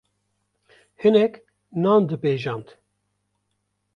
hinek nan dipêjand